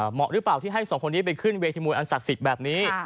เหมาะหรือเปล่าที่ให้สองคนนี้ไปขึ้นเวทีมวยอันศักดิ์สิทธิ์แบบนี้